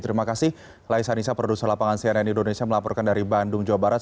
terima kasih laisa nisa produser lapangan cnn indonesia melaporkan dari bandung jawa barat